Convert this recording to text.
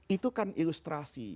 itu kan ilustrasi